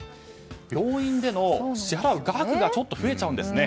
病院での支払う額がちょっと増えちゃうんですね。